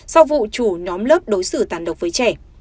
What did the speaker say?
sau vụ chủ nhóm lớp đối xử tàn độc với trẻ